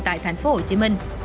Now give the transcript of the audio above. tại thành phố hồ chí minh